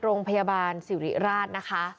โรงพยาบาลสิริราชนะคะ